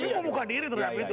tapi mau buka diri terhadap itu